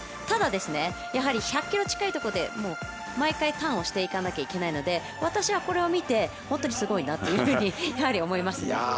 ただ、１００キロ近いところで毎回ターンしないといけないので私は、これを見て本当にすごいなと思いますね。